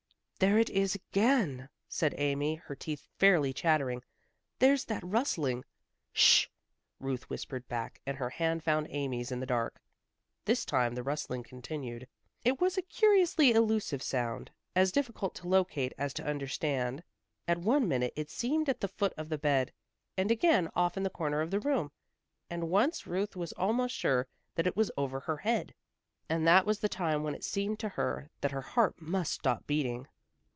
"There it is again," said Amy, her teeth fairly chattering. "There's that rustling." "Sh!" Ruth whispered back and her hand found Amy's in the dark. This time the rustling continued. It was a curiously elusive sound, as difficult to locate as to understand. At one minute it seemed at the foot of the bed, and again off in the corner of the room, and once Ruth was almost sure that it was over her head. And that was the time when it seemed to her that her heart must stop beating.